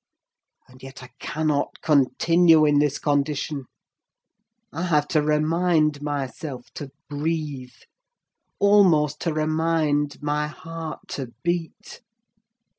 And yet I cannot continue in this condition! I have to remind myself to breathe—almost to remind my heart to beat!